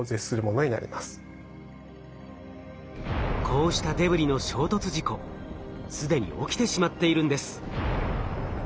こうしたデブリの衝突事故既に起きてしまっているんです。